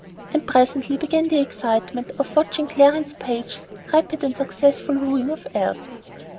And presently began the excitement of watching Clarence Page's rapid and successful wooing of Elsie.